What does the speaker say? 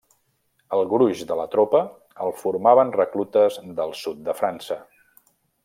El gruix de la tropa el formaven reclutes del sud de França.